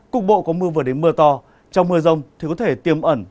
cục bộ có mưa vừa đến mưa to trong mưa rông thì có thể tiêm ẩn